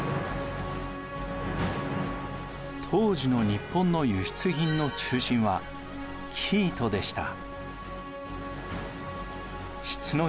当時の日本の輸出品の中心は生糸でした。